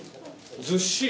ずっしり。